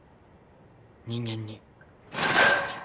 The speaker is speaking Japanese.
人間に。